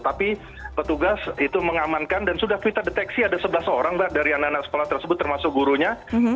tapi petugas itu mengamankan dan sudah kita deteksi ada sebelas orang mbak dari anak anak sekolah tersebut termasuk gurunya